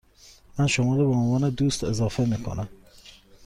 من شما را به عنوان دوست اضافه می کنم.